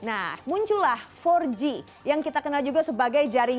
apa yang terjadi